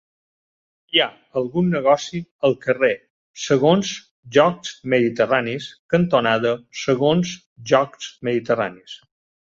Hi ha algun negoci al carrer Segons Jocs Mediterranis cantonada Segons Jocs Mediterranis?